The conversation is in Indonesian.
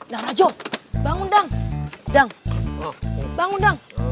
narajo bangundang dang bangundang